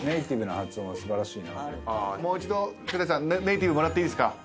もう一度栗谷さんネイティブもらっていいですか？